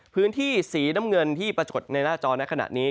พื้นที่สีน้ำเงินที่ปรากฏในหน้าจอในขณะนี้